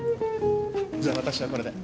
じゃ私はこれで。